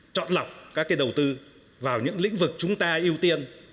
chọn lọc các cái đầu tư vào những lĩnh vực chúng ta ưu tiên